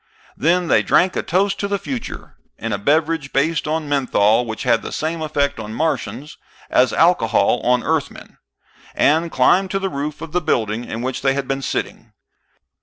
Then they drank a toast to the future in a beverage based on menthol, which had the same effect on Martians as alcohol on Earthmen and climbed to the roof of the building in which they had been sitting.